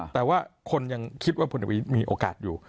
แต่ว่าคนยังคิดว่าพลเอกวิทย์มีโอกาสอยู่